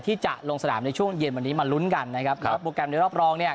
ที่จะลงสนามในช่วงเย็นวันนี้มาลุ้นกันนะครับแล้วโปรแกรมในรอบรองเนี่ย